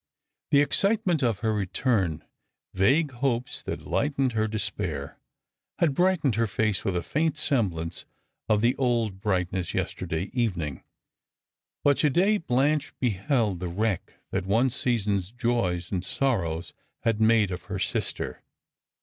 The excitement of her return, vague hopes that lightened her despair, had brightened her face with a faint semblance of the old bright ness yesterday evening; but to day Blanche beheld the wreck that one season's joys and soitows had made of her sister.